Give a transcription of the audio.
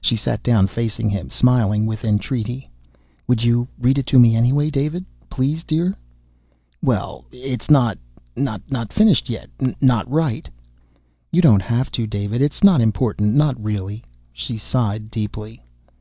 She sat down facing him, smiling with entreaty. "Would you read it to me anyway, David? Please, dear?" "Well, it's not ... not finished yet not right." "You don't have to, David. It's not important. Not really." She sighed deeply.